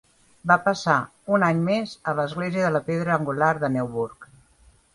Va passar un any més a l'església de la pedra angular de Newburgh.